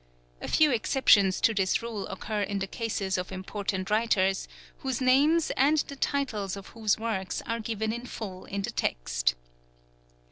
<A few exceptions to this rule occur in the cases of important writers, whose names and the titles of whose works are given in full in the text.